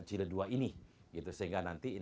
jilid dua ini sehingga nanti